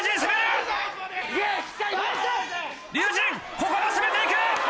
ここも攻めていく！